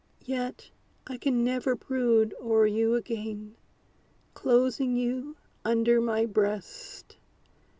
Yet, I can never brood o'er you again, Closing you under my breast!